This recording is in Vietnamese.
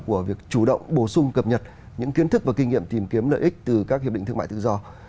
của việc chủ động bổ sung cập nhật những kiến thức và kinh nghiệm tìm kiếm lợi ích từ các hiệp định thương mại tự do